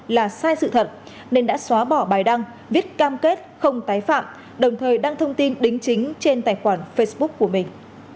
là sai sự thật nên đã xóa bỏ bài đăng viết cam kết không tái phạm đồng thời đăng thông tin đính chính trên tài khoản facebook của mình